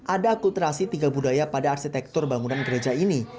ada akutrasi tiga budaya pada arsitektur bangunan gereja ini